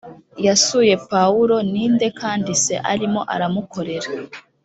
yasuye pawulo ni nde kandi se arimo aramukorera